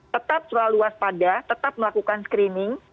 tetap selalu waspada tetap melakukan screening